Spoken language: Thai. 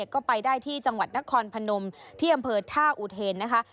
ก็ไปได้ที่จังหวัดนครพนมที่อำเภอท่าอุเทนนะคะ